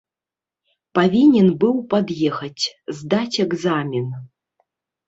Павінен быў пад'ехаць, здаць экзамен.